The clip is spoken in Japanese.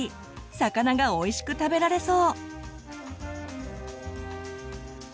魚がおいしく食べられそう！